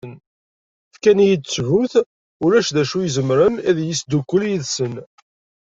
Yefka-yi-d ttbut ulac acu izemren ad iyi-isdukel yid-sen.